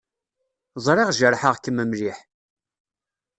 Ẓriɣ jerḥeɣ-kem mliḥ.